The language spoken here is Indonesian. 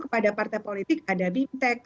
kepada partai politik ada bimtek